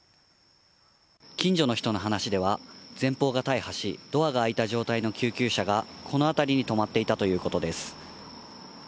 近所の人の話では、前方が大破し、ドアが開いた状態の救急車が、この辺りに止まっていたということです。